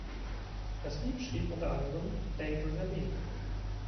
Das Lied schrieb unter anderen Avril Lavigne.